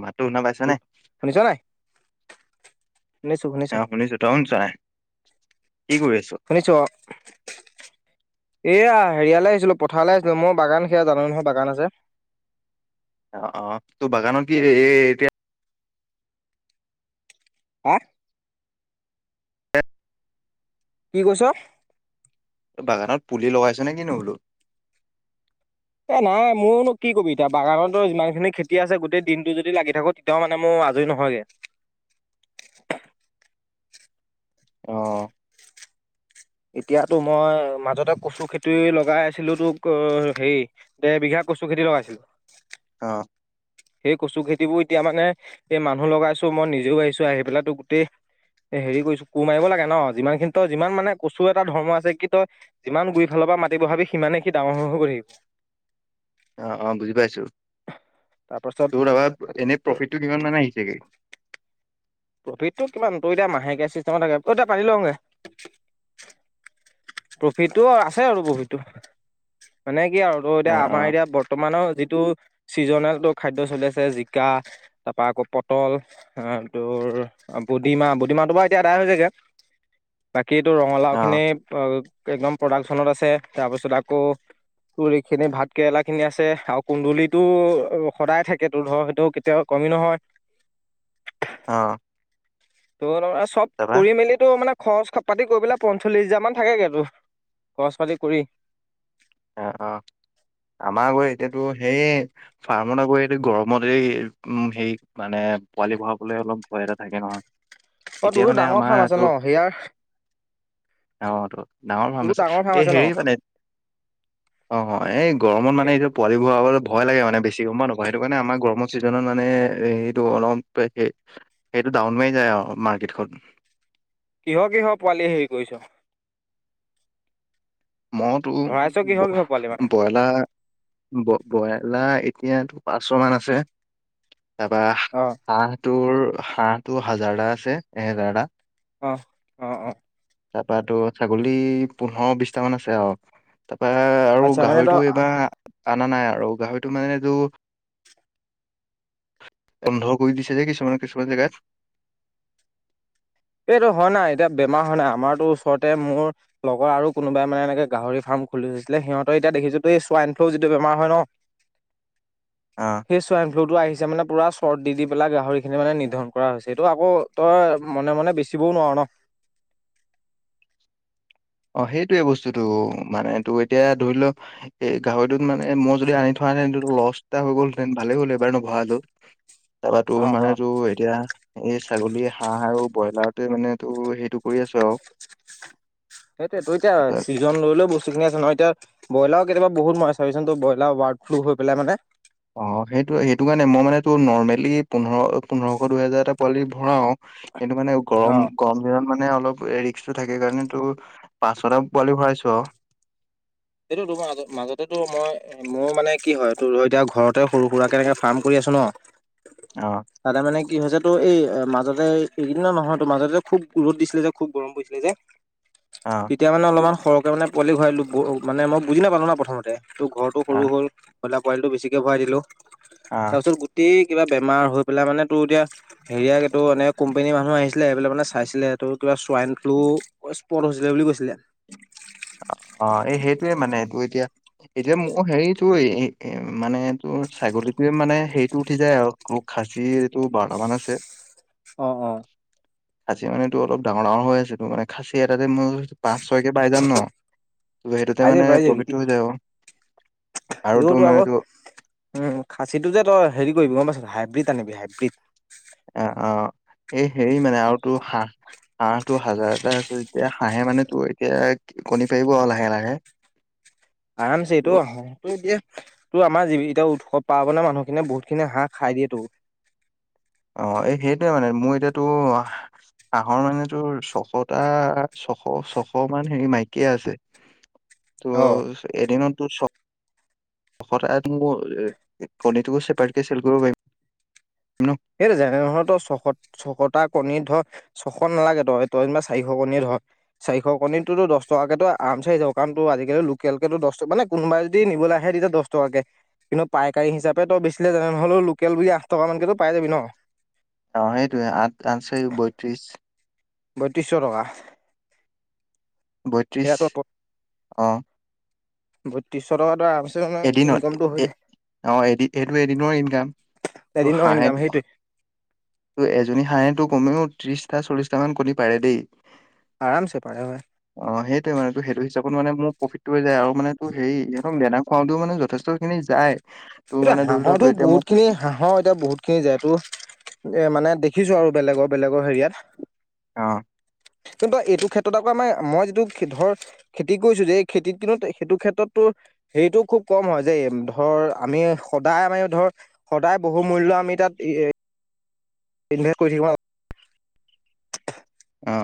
মাতো শুনা পাইছা নে? শুনিছ নাই? শুনিছো শুনিছো অ শুনিছোঁ, দম যায় শুনিছোঁ অ। এয়া হেৰিয়ালৈ আহিছিলোঁ, পথাৰলৈ আহিছিলোঁ, মোৰ বাগান সেয়া জানা নহয় বাগান আছে। অ অ, তোৰ বাগানৰ কি এতিয়া অ। কি কৈছ? বাগানত পুলি লগাইছ নে কিনো বোলো? এ নাই ময়ো নো কি কবি এতিয়া বাগানতো যিমানখিনি খেতি আছে গোটেই দিনটো যদি লাগি থাকোঁ তেতিয়াও মানে মোৰ আজৰি নহয় হয়গে। অ'। এতিয়াটো মই মাজতে কচু খেতি লগাই আছিলোঁ, তোক হেৰি দেৰ বিঘা কচু খেতি লগাইছিলো। অ'। সেই কচু খেতিবোৰ এতিয়া মানে এই মানুহ লগাইছো মই নিজেও আহিছো, আহি পেলাই গোটেই এ হেৰি কৰিছোঁ কোৰ মাৰিব লাগে ন' যিমানখিনি তই যিমান মানে কচু এটা ধৰ্ম আছে কি তই যিমান গুৰি ফালৰ মাটি বহাবি সিমানে সি ডাঙৰ হৈ হৈ গৈ আহিব। অহ, অ', বুজি পাইছোঁ। তাৰপাছত তোৰ দাবা এনে প্ৰফিটটো কিমান মানে আহিছেগে? প্ৰফিটটো কিমান তই এতিয়া মাহেকীয়া চিচটেমত থাকে ত এতিয়া পানী লওঁগে। প্ৰফিটটো আছে আৰু প্ৰফিটটো, মানে কি আৰু ত' অ এতিয়া অ আমাৰ এতিয়া বৰ্তমানৰ যিটো চিজনেলটো খাদ্য চলি আছে, জিকা তাৰ পৰা আকৌ পটল অহ তোৰ বুডিমাহ বুডিমাহটো বাৰু এতিয়া আদায় হৈ যায়গে বা কেটো অ ৰঙালাওখিনি একদম প্ৰডাকচনত আছে তাৰপিছত আকৌ তোৰ এইখিনি ভাত কেৰেলাখিনি আছে আৰু কুন্দুলিটো সদায় থাকে তোৰ ধৰ হয়টো কেতিয়াও [unintelligible] নহয়। আহ। [unintelligible] চব কৰি মেলিতো মানে খৰচ পাতি কৰি পেলাই পঞ্চল্লিশ হোজাৰ মান থাকেগে তোৰ, খৰচ পাতি কৰি। আহ, অ'। আমাৰ আকৌ এতিয়া তোৰ সেই ফাৰ্মত আকৌ, এইটো গৰমতে হে মানে পোৱালি ভৰাবলৈ অলপ ভয় এটা থাকে নহয়। অ এতিয়া তোৰো মানে ডাঙৰ ফাৰ্ম আছে ন আমাৰটো হেয়াৰ অহ তো ডাঙৰ ফাৰ্ম আছে, এই হেৰি মানে অ', এই গৰমত মানে এতিয়া পোৱালি [unintelligible] ভয় লাগে মানে বেছি গম পাওঁ নাপাও, সেইটো কাৰণে আমাৰ গমৰ চিজনত মানে এইটো অলপ সেইটো ডাউন মাৰি যায় আৰু মাৰ্কেটখন। কিহৰ কিহৰ পোৱালি হেৰি কৰিছ? মই তোৰ ভৰাইছ কিহৰ কিহৰ পোৱালি মানে বইলাৰ, ব্ৰইলাৰ এতিয়াটো পাঁচশ মান আছে, তাৰ পা অ হাঁহ তোৰ হাঁহ টো হাজাৰটা আছে এহেজাৰটা অহ অহ অহ তাপা তোৰ ছাগলী পোন্ধৰ বিশটামান আছে আৰু তাপ পা আৰু আচ্ছা মানে তই গাহৰিটো এইবাৰ অনা নাই আৰু গাহৰিটো মানে তোৰ বন্ধ কৰি দিছে যে কিছুমান কিছুমান জেগাত এইটো হয় না এতিয়া বেমাৰ হয় না আমাৰতো ওচৰতে মোৰ লগৰ আৰু কোনোবাই মানে এনেকে গাহৰি ফাৰ্ম খুলিছিলে সিহঁতে এতিয়া দেখিছো এই চোৱাইন ফ্লু যিটো বেমাৰ হয় ন [inaudible] অ সেই চুৱাইন ফ্লু টো আহিছ যে মানে পুৰা চৰ্ট দি দি পেলাই গাহৰি খিনি মানে নিৰ্ধন কৰা হৈছে এইটো আকৌ তই মনে মনে বেছিবও নোৱাৰ ন অ সেইটোয়ে বস্তুটো মানে তোৰ এতিয়া ধৰি লও এ গাহৰিটোত মানে মই যদি আনি থোৱা লছ এটা হৈ গলহেতেন ভালে হ'ল এইবাৰ নভৰালো তাৰপৰা তোৰ অ অ মানে তোৰ এতিয়া এই ছাগলী হাঁহ আৰু ব্ৰইলাৰতে মানে টো হেইটো কৰি আছো আৰু সেইটোয়ে তো এতিয়া ছিজন লৈলৈ বস্তু খিনি আছে নহয় এতিয়া ব্ৰলাৰ কেতিয়াবা বহুত মি চাবিচোন ব্ৰইলাৰ বাৰ্ড ফ্লু হৈ পাই মানে অ সেইটো সেইটো কাৰণে মই মানে ত নৰ্মেলি পোন্ধৰ পোন্ধৰশ দুইহেজাৰ এটা পোৱালি ভৰাও সিটো মানে গৰম অ'। গৰম দিনত মানে মানে অলপ ৰিক্সটো থাকে কাৰণে তো পাঁচ ছটা পোৱালি ভৰাইছো আৰু। এইটো তোমাৰ মাজতেটো মই মোৰ মানে কি হয় তোৰ এতিয়া ঘৰতে সৰু সুৰাকে এনেকে ফাৰ্ম কৰি আ ছোঁ ন অ তাতে মানে কি হৈছে তো এই মাজতে এইকেইদিনা নহয় ত মাজতে খুব ৰদ দিছিলে যে খুব গৰম পৰিছিলে যে অ তেতিয়া মানে অলপমান সৰহকে মানে পোৱালি ঘূৰাইলো মানে মই বুজি নাপালো না প্ৰথমতে তো ঘৰটো সৰু অ হ'ল বইলা পোৱালিটো বেছিকে ভৰাই দিলো অ তাৰ পিছত গোটেই কিবা বেমাৰ হৈ পেলাই মানে তোৰ এতিয়া হেৰিয় টো এনেকে কোম্পোনীৰ মানুহ আহিছিলে আহ প মান চাইছিলে তটো এ চোৱাইন ফ্লু স্পট হৈছিলে বুলি কৈছিলে। অ এই সেই মানে এইটো এতিয়া এতিয়া মোৰ হেৰিটো মানে এই তোৰ ছাগলীটোয়ে মানে হে এইটো উঠি যায় আৰু খাচী এইটো বাৰটামান আছে। অঁ অঁ খাচী মানে তটো অলপ ডাঙৰ ডাঙৰ হৈ আছে তো মানে খাচী এটাতে মই পাঁচ ছয়কে পাই যাম ন। ত সেইটোতে মানে প্ৰফিটটো হৈ যায় আৰু। তোৰ সেইটোতো মানে আকৌ তোৰ উম খাচীটো যে তই হেৰি কৰিবি তাৰ পাছত হাইব্ৰীড আনিবি হাইব্ৰীড অ', অ এই হেৰি মানে আৰু তো হাঁহ হাঁহটো হাজাৰটা আছে যেতিয়া হাঁহে মানে তোৰ এতিয়া কণী পাৰিব আৰু লাহে লাহে। [inaudible] আৰামছে এইটো আহ সটো দিয়ে, ত আমাৰি এতিয়া উৎসৱ পাৰ্বণে মানুহখিনিয়ে বহুতখিনি হাঁহ খাই দিয়ে তো। অ এই সেইটোয়ে মানে মোৰ এতিয়াতো, হাঁহৰ মানে তো ছশটা ছশ ছশ মান হেৰি মাইকীয়ে আছে। ত অ', এদিনতো চব [unintelligible] কণীটো ছেপাৰেট চেল কৰিব পাৰিম। ন? সেইটো জাননে ধ ত ছশ ছশতা কণী ধৰ, ছশ নালাগে তই তই যেনিবা চাৰিশ কণী ধৰ চাৰিশ কণী তোৰতো দচ টকাকে আৰামচে হৈ যাব। আজিকালি লোকেলকেতো দচ মানে কোনোবাই যদি নিবলৈ আহে তেতিয়া দচ টকাকে। কিন্তু পাইকাৰী হিচাপে তই বেছিলে তেনেহ'লে লোকেল বুলি আঠ টকা মানকেতো পাই যাবি ন। অ, সেইটোয়ে আঠ আঠ ছয়ি বত্ৰিশ। বত্ৰিসশ টকা। বত্ৰিছ সেয়া অ'। বত্ৰিশ টকাটো এদিনত, এ অ' এদিন এইটো এদিনৰ ইনকাম। ত এদিনৰ হাঁহে ইনকাম তো সেইটোৱে। এজনী হাঁহেটো কমেও ত্ৰিশটা চল্লিশটা মান কণী পাৰে দেই। আৰামছে পায় হয় হয়। অ, সেইটোৱে মানে তোৰ সেইটো হিচাপত মানে মোৰ প্ৰফিটটো হৈ যায় আৰু মানে তোৰ হেৰি একদম বে ফলটো মানে যথেষ্টখিনি যায়।। তোৰ এতিয়া মানে ধৰি ল হাঁহৰটো তোৰ এতিয়া মোক বহুত খিনি হাঁহৰ এতিয়া বহুত খিনি যায় এইটো এ মানে দেখিছো আৰু বেলেগৰ বেলেগৰ হেৰিয়াত। অ'। কিন্তু এইটো ক্ষেত্ৰত আকৌ আমাৰ মই যিটো ধৰ খেতি কৰিছো যে খেতিত কিন্তু সেইটো ক্ষেত্ৰত তোৰ হেৰিটো খুব কম হয় যে ধৰ আমি সদায় আমি ধৰ সদায় বহু মূল্য আমি তাত ইনভেষ্ট কৰি থাকিব অ'।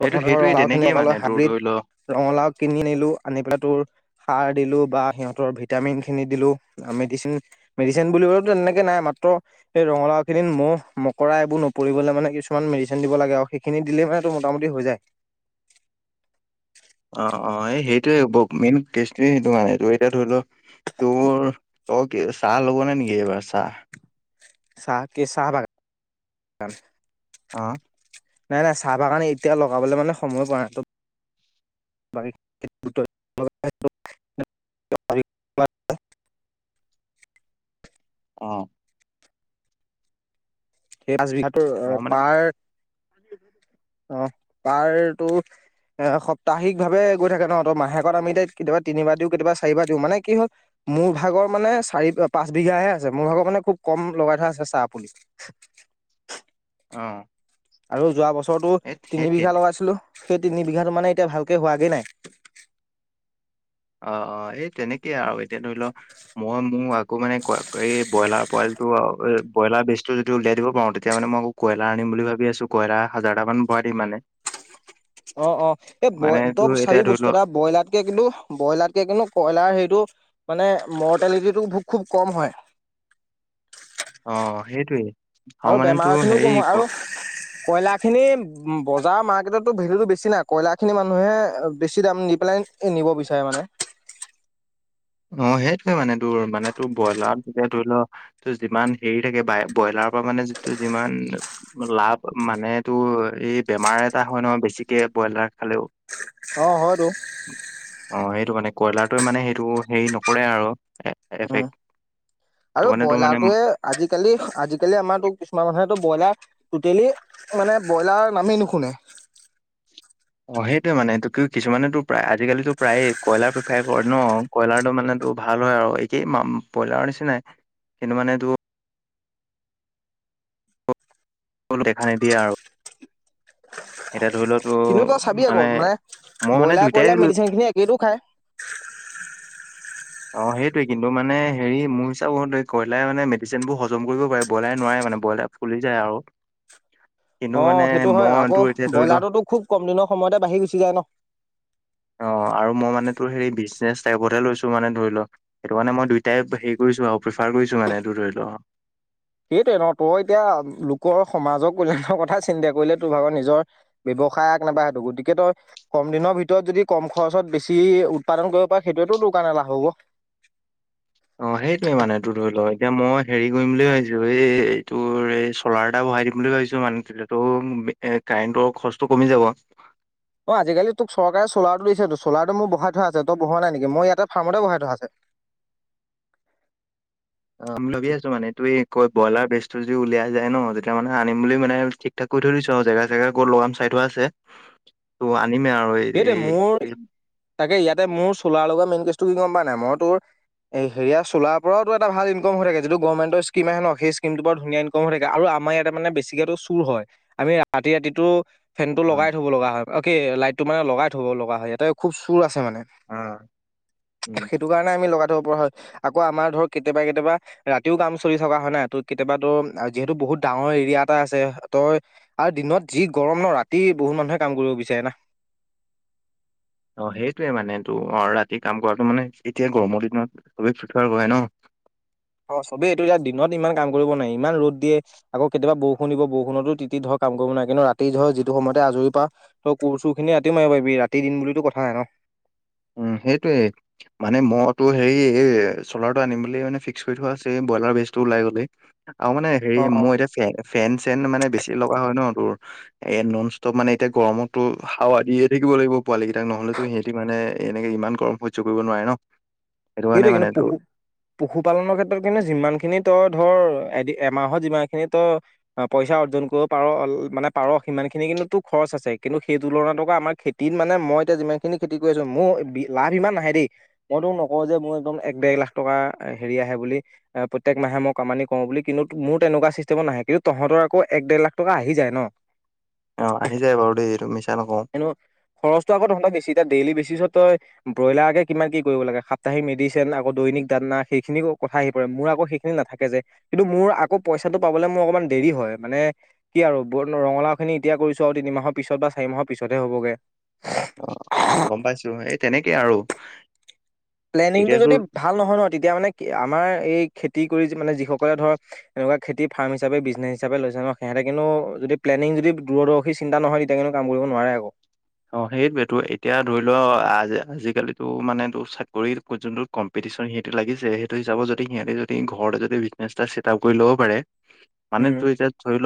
সেইটো সেইটোৱে ৰঙালাও খিনি তেনেকেই লগালো মানে তোৰ হাইব্ৰিড, ধৰি ল ৰঙালাও কিনি আনিলো আনি পেলাই তোৰ সাৰ দিলো বা সিহঁতৰ ভিটামিন খিনি দিলো মেডিচিন মেডিচিন বুলিবতো তেনেকে নাই মাত ত সেই ৰঙালাও খিনিত মহ মকৰা এইবোৰ নপৰিবলে মানে কিছুমান মেডিচিন দিব লাগে আৰু সেইখিনি দিলে মানে মোটামুটি হৈ যায়। অ, অ, এই সেইটোৱে মেইন কেচটোয়ে সেইটো মানে ত এতিয়া ধৰি ল তোৰ তই চাহ ল'ব নে নেকি এইবাৰ চাহ। চাহ কে চাহ বাগান। অ' নাই নাই চাহ বাগান এতিয়া লগাবলে মানে সময় পোৱা নাই। [unintelligible] [inaudible] অ' মই [unintelligible] মানে পাৰ [inaudible] অ, পাৰ টো এ সপ্তাহিক ভাৱে গৈ থাকে ন ত' মাহেকত আমি তাই কেতিয়াবা তিনিবাৰ দিওঁ কেতিয়াবা চাৰিবাৰ দিওঁ মানে কি হ'ল মোৰ ভাগৰ মানে চাৰি পাঁচ বিঘাহে আছে মোৰ ভাগৰ মানে খুব কম লগাই থোৱা আছে চাহ পুলি। [inaudible] অ', আৰু যোৱা বছৰৰতো এই সেই তিনি বিঘা তেনে লগাইছিলো। সেই তিনি বিঘাটো মানে এতিয়া ভালকে হোৱাগে নাই। অ, অ, এই তেনেকেই আৰু এতিয়া ধৰি ল মই মোৰ আকৌ মানে ক এই ব্ৰইলাৰ পোৱলিটো আৰু ব্ৰইলাৰ বেজটো যদি উলিয়াই দিব পাৰো তেতিয়াহ'লে মই আকৌ কইলাৰ আনিম বুলি ভাবি আছো কইলাৰ হাজাৰ মান ভৰাই দিম মানে। [inaudible] অ, অ, এই বই মানে তোৰ তই চাবি এতিয়া ধৰি ল বস্তু এটা ব্ৰইলাৰতকে কিন্তু ব্ৰইলাৰতকে কিন্তু কয়লাৰ হেৰিটো মানে মৰ্টেলিটিটো খুব কম হয়। [inaudible] অ', সেইটোৱে আৰু মানে বেমাৰ তোৰ খিনিও কম হয় হেৰি আৰু কয়লা খিনি ব যাৰ মাৰ্কেটত তোৰ ভেলুটো বেছি নাই কয়লা খিনি মানুহে বেছি দাম দি পেলাই নিব বিচাৰে মানে। [inaudible] অ, সেইটোয়ে মানে তোৰ মানে তোৰ ব্ৰইলাৰত যেতিয়া ধৰি লোৱা ত যিমান হেৰি থাকে ব্ৰইলাৰ ত পৰা মানে যিটো যিমান লাভ মানে তটো এই বেমাৰ এটা হয় ন বেছিকে ব্ৰইলাৰ খালেও। অ, অ হয়তো সেইটো মানে কয়লাৰটোৱে মানে সেইটো হেৰি নকৰে আৰু। উম এফেক্ট সেইটো আৰু কাৰণে তোৰ মানে ব্ৰইলাৰটয়ে আজিকালি - আজিকালি আমাৰো কিছুমান মানুহেতো ব্ৰইলাৰ টটেলি মানে ব্ৰইলাৰ নামেই নুশুনে। অ, সেইটোয়ে মানে এইটো কি কিছুমানেতো প্ৰায় আজিকালিটো প্ৰায়ে কইলাৰ প্ৰিফাৰ কৰে ন কইলাৰটো মানে ত, ভাল হয় আৰু একেই ব্ৰইলাৰৰ নিচিনাই কিন্তু মানে তো লো দেখা নিদিয়ে আৰু। এতিয়া ধৰি লতো কিন্তু তই চাবি আকৌ মানে মই মানে ব্ৰইলাৰ দুইটাই কইলাৰ লো। মেডিচিন [inaudible] খিনি একেইটো খায় অ, সেইটয়ে কিন্তু মানে হেৰি মোৰ হিচাপ কইলাৰ মানে মেডিচিন বোৰ হম কৰিব পাৰে ব্ৰইলাৰে নোৱাৰে। মানে বইলাৰ ফুলি যায় আৰু। কিন্তু অ, মানে সেইটো হয় মই আকৌ তোৰ এতিয়া ধৰি ল ব্ৰইলাৰটোতো খুব কম দিনৰ সময়তে বাঢ়ি গুচি যায় ন। অ, আৰু মই মানে তোৰ হে বিজনেচ টাইপত লৈছো। মানে ধৰি ল সেইটো কাৰণে মই দুইটাই হেৰি কৰিছো আৰু প্ৰিফাৰ কৰিছো মানে এইটো ধৰি লোৱা। সেইটয়ে ন তই এতিয়া লোকৰ সমাজৰ কল্যাণৰ কথা চিন্তা কৰিলে তোৰ ভাগৰ নিজৰ গসায় এক নাইবা সেইটো গতিকে তই কম দিনৰ ভিতৰত যদি কম খৰচত বেছি উৎপাদন কৰিব পাৰি সেইটোৱেতো দোকানালা হব। [inaudible] অ, সেইটোয়ে মানে তোৰ ধৰি লও এতিয়া মই হেৰি কৰিম বুলি ভাবিছো এই এইটোৰ এই চলাৰ এটা। বহাই দিম বুলি ভাবিছো মানে তেতিো এ কাৰেণ্টৰ খৰচটো কমি যাব। অ, আজিকালি তোক চৰকাৰে চলাৰটো দিছেতো চলাৰটো মোৰ বহাই থ আছে ত বহোৱা নাই নেকি মই ইয়াতে ফাৰ্মতে বহাই থোৱা আছে। অমি ল আছো মানে তই [unintelligible] কৈ ব্ৰইলাৰ বেজটো যদি উলিয়াই যায় ন তেতিয়া মান আম বুলি মানে ঠিক ঠাক কৰি থৈ দিছো আৰু জেগা - জেগা ক লগাম চাই টো আছে ত আনিমে আৰু সেইটোৱে মোৰ এই তাকে ইয়াতে মোৰ চোলাৰ লগৰ মেইন কেছটো কি গম পোৱা নাই মই তোৰ এই হেয়া চোলাৰ পৰাওো এটা ভাল ইনকম হৈ থাক যটো গৰ্মেটৰ স্কম আহে ন সেই স্কমটোৰ পৰা ধুন ইনকম হৈ থাকে আৰু। আমাৰ ইয়াতে মানে বেছিকো চুৰ হয় আমি ৰাতি - ৰাতিটো ফেন টো অ লগাই থ'ব লগা হয় অ, কি লাইট টো মানে লগাই থ'ব লগা হয় ইয়াতে খুব চুৰ আছে। অ উম সেইটো কাৰণে আমি লগ পৰা হয় আকৌ আমাৰ ধৰক কেতিয়াবা কেতিয়াবা ৰাতিও কাম চলি থকা হয় নাই ত কেতিয়াবা যিহেতু বু বহুত ডাঙৰ এৰিয়া এটা আছে তই আৰু দিনত যি গৰম ন ৰাতি বহুত মানুহে কাম কৰিব বিচাৰে না। অ, সেইটোয়ে মানে তটো অ ৰাতি কাম কৰাটো মানে এতিয়া গৰমৰ দিনত চব ফুঠোৱাৰ ন [inaudible] অ, চবেই এইটো এতিয়া দিনত ইমান কাম কৰিব নাই ইমান ৰ'দ দিয়ে আকৌ কেতিয়াবা বহু শুনিব বৰষুণতো তি ধৰ কাম কৰিব নাই কিন্তু ৰাতি ধৰ যিটো সময়তে আজৰি পাও ক চুৰ খিনি ৰাতিও মাৰিবািব ৰাতি দিন বুলিতো কথাহে নাই ন? উম, সেইটোৱে মানে মতো হেৰি এই চলাৰটো আনিম বুলিয় মানে ফিক্স কৰি থোৱা আছে। বইলাৰ বেটচ টো ওলাই গলে আৰু মানে হেৰি অ ফেনচ - ফেন। চেন মানে বেছি লগা হয় ন তোৰ এ নন ষ্টপ মানে এতিয়া গৰমতো হাৱা দিয়ে থাকিব লাগিব। পোৱালী কেইটাক নহলেতো সিহতি মানে এনেকে ইমান কৰ্ম সহ্য কৰিব নোৱাৰে ন। সেইটো কাৰণে সেইটোৱে মানে কিন্তু তোৰ পশু পশুপালনৰ ক্ষেত্ৰত কিন্তু যিমান খিনি তই ধৰ এদি এমাহত যিমান খিনি তই পইচা অৰ্জন কৰিব পাৰ অ, মানে পাৰ সিমান খিনি কিন্তুো খৰচ খচ আছে কিন্তু সেই তুলনাত আমাৰ খেতিত মানে মই এতিয়া যিমান খিনি খেতি কৰি আছো মোৰ লাভ ইমান নাহে দেই। মোৰো ন ক যে মোৰ একদম এক দেেৰ লাখ টকা হেৰি আহে বুলি প্ৰত্যেক মাহে মই কমানি কৰ বুলি কিন্তু মোৰ এনেকুৱা চিষ্টেমত নাহে কিন্তু তহতৰচাঁক আকৌ ড দেৰ লাখ টকা আহি যায় ন। অ আহি যায় বাৰু দেই এইটো মিছা নকওঁ এনো খৰচটো আগত তক বেছি এতিয়া ডেইলি বেছি। তাৰিছত তই বইলাৰ আগে কিমান কি কৰিব লাগে। সাহিক মেডিচিন আকৌ দৈনিক দানা সেইখিনি কথা আহি পৰে মোৰ আকৌ সেইখিনি নাথাকে যে কিন্তু মোৰ আকৌ পইচা, পইচটো পাবলে মোৰ অকণমান দেৰি হয় মানে কি আৰু ৰঙলাও খিনি এতিয়া কৰিছো আৰু তিনি মাহৰ পিছত বা চাৰি মাহ পিছতহে হ'বগে। অ অ গম পাইছো এই তেনেকে আৰু প্লেনিংটো এতিয়াতো যদি ভাল নহয় ন তেতিয়া মানে আমাৰ এই, খেতি কৰি মানে যিসকলে ধৰ এনেকুৱা খেতি ফাৰ্ম হিচাপে বিজনেছ হিচাপে লৈছে সিহঁতে কিন্তু যদি তেনেক যদি দূৰদৰ্শী চিন্তা নহয় তেতিয়া কেনেনো কাম কৰিব নোৱাৰে আক, অ সেইটোৱেতটো এতিয়া ধৰি লোৱা আজিকালিতো মানেটো চাকৰি যোন কম্পিট, সিহঁটো লাগিছে সেইটো হিচাপত যদি সিহঁতে যদি ঘৰতে যদি বিজনেছ এটা ছেটা আপ কৰি ল'ব পাৰে। মানে তুই যে ধৰিল,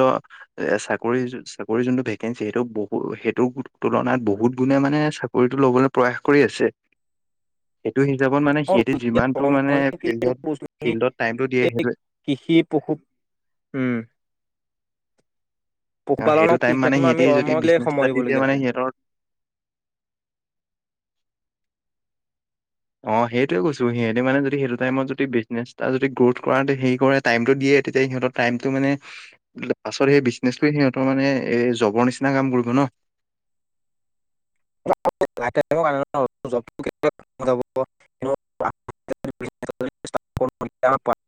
এ চাকৰি চাকৰি যোনটো ভেকেঞ্চি সেইটো বহুত সেইটো, তুলনাত বহুত গুণে মানে চাকৰিতটো লবলৈ প্ৰয়াস কৰি আছে। সটো হিচাপত মানে সিহঁতি যিমানতটো মানে ফিল্ডত উম। ফিল্ডত টাইমটো দিয়ে এই সেইটো, কৃষি পশু উম, [inaudible] পশুপালনৰ সেইটো টাইম মানে কৃষিক্ষেত্ৰত সিহঁতে আমি যদি কৰ্মলে বিজনেছ সময় এ দি দিবলগীয়া মানে হৈছে। সিহঁতৰ [inaudible] অ, সেইটোয়ে কৈছো সিহঁতে মানে যদি সেইটো টাইমত যদি বিজনেছ এটা যদি গ্ৰথ কৰা হে কৰে টাইমতটো দিয়ে তেতিয়া সিহঁতৰ টাইমতটো মানে পাছত সেই বিজনেচে সিহঁতৰ মানে এ জবৰ নিচিনা কাম কৰিব নহ। [inaudible] [unintelligible] [inaudible] [unintelligible]